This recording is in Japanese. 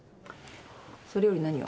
それより何よ？